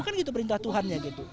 kan itu perintah tuhan ya gitu